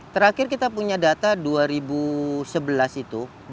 terakhir kita punya data dua ribu sebelas itu